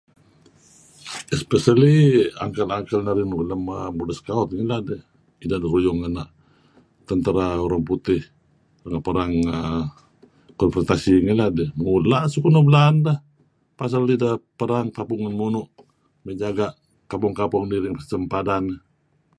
""" Espeially"" uncle-uncle narih nuk lem Border Scout malem neh ideh dengaruyung neh tentera Orang Putih nuk perang Confranrasi nih. Neh dih mula' nuk belaan deh. Psal ideh perang ngen munu' may jaga' kampong-kampong nuk ngi sempadan. "